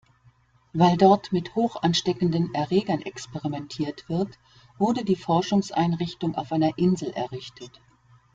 Weil dort mit hochansteckenden Erregern experimentiert wird, wurde die Forschungseinrichtung auf einer Insel errichtet.